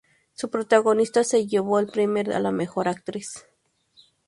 Su protagonista se llevó el premio a la mejor actriz.